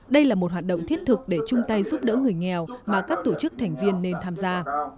đây là một hoạt động thiết thực để chung tay giúp đỡ người nghèo mà các tổ chức thành viên nên tham gia